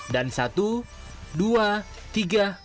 dan satu dua tiga